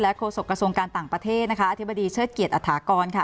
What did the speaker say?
โฆษกระทรวงการต่างประเทศนะคะอธิบดีเชิดเกียจอฐากรค่ะ